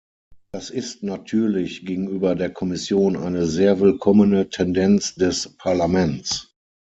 Das ist natürlich gegenüber der Kommission eine sehr willkommene Tendenz des Parlaments.